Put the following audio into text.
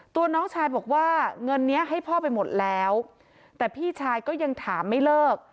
ตัวน้องชายบอกว่าเงินนี้ให้พ่อไปหมดแล้วแต่พี่ชายก็ยังถามไม่เลิก